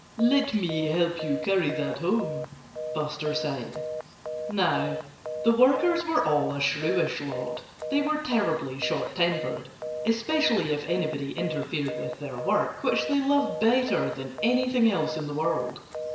"Let me help you carry that home!" Buster said. Now, the workers were all a shrewish lot. They were terribly short tempered especially if anybody interfered with their work, which they loved better than anything else in the world.